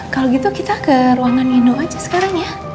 kalau gitu kita ke ruangan nino aja sekarang ya